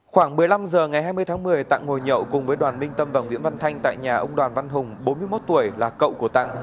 khoảng một mươi năm h ngày hai mươi tháng một mươi tạng ngồi nhậu cùng với đoàn minh tâm và nguyễn văn thanh tại nhà ông đoàn văn hùng bốn mươi một tuổi là cậu của tạng